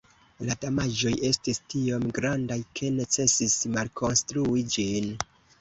La damaĝoj estis tiom grandaj ke necesis malkonstrui ĝin.